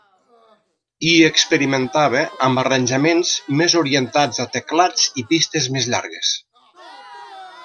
Hi experimentava amb arranjaments més orientats a teclats i pistes més llargues.